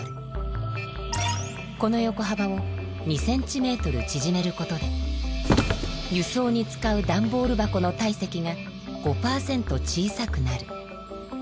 このよこはばを２ｃｍちぢめることで輸送に使う段ボール箱の体積が５％小さくなる。